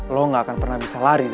lo gak akan pernah bisa lari dari sini